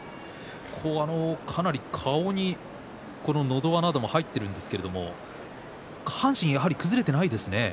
かなり顔にのど輪なども入っているんですけれども下半身、崩れていないですね。